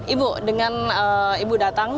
ibu dengan ibu datang